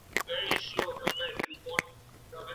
علمي مجله بې له ځنډه نه پیلیږي.